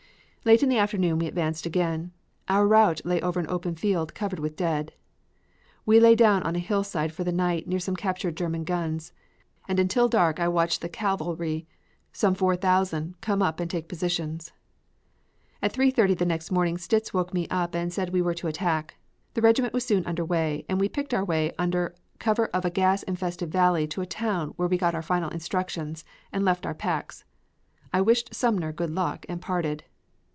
Late in the afternoon we advanced again. Our route lay over an open field covered with dead. We lay down on a hillside for the night near some captured German guns, and until dark I watched the cavalry some four thousand, come up and take positions. At 3.30 the next morning Sitz woke me up and said we were to attack. The regiment was soon under way and we picked our way under cover of a gas infested valley to a town where we got our final instructions and left our packs. I wished Sumner good luck and parted.